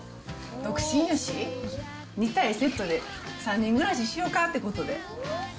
独身やし、２体セットで３人暮らししよかってことで。